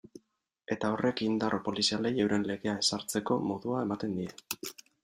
Eta horrek indar polizialei euren legea ezartzeko modua ematen die.